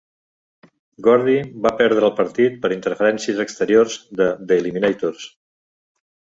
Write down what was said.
Gordy va perdre el partit per interferències exteriors de The Eliminators.